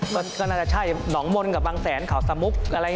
ก็น่าจะใช่หนองมนตร์กับบางแสนขาวสามุกอะไรอย่างนี้